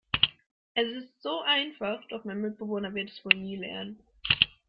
Es ist so einfach, doch mein Mitbewohner wird es wohl nie lernen.